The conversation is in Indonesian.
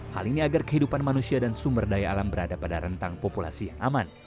hal ini agar kehidupan manusia dan sumber daya alam berada pada rentang populasi yang aman